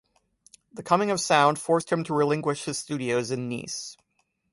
The coming of sound forced him to relinquish his studios in Nice.